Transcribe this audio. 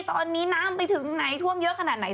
ตอนนี้น้ำไปถึงไหนท่วมเยอะขนาดไหน